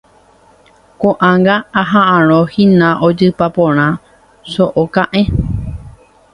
Ko'ág̃a aha'ãrõhína ojypa porã so'o ka'ẽ.